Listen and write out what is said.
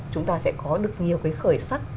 chúng ta sẽ có được